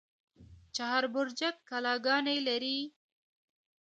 چهار برجک کلاګانې لري؟